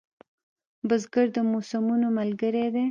بزګر د موسمونو ملګری دی